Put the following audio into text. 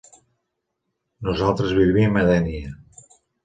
Nosaltres vivim a Dénia.